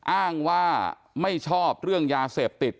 อ้างว่าไม่ชอบเรื่องยาเสพติด